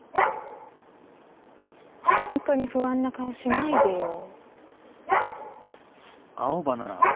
ホントに不安な顔しないでよ。